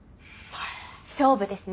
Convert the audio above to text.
勝負ですね。